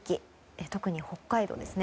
特に北海道ですね。